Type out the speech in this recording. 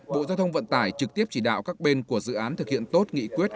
bộ giao thông vận tải trực tiếp chỉ đạo các bên của dự án thực hiện tốt nghị quyết